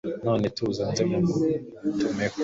None tuza nze mugutumeho